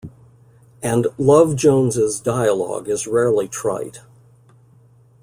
And "Love Jones"'s dialogue is rarely trite.